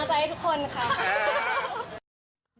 ส่งไปเลย